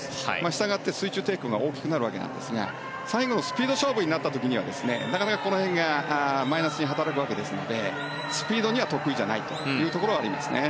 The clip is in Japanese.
したがって水中抵抗が大きくなるわけなんですが最後のスピード勝負になった時にはなかなかここら辺がマイナスに働くわけですのでスピードには得意じゃないというところはありますね。